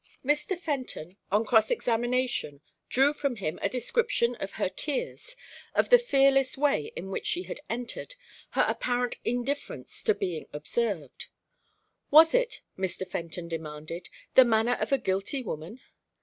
Mr. Fenton on cross examination, drew from him a description of her tears, of the fearless way in which she had entered, her apparent indifference to being observed. Was it, Mr. Fenton demanded, the manner of a guilty woman?